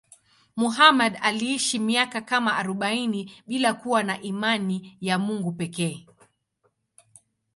Muhammad aliishi miaka kama arobaini bila kuwa na imani ya Mungu pekee.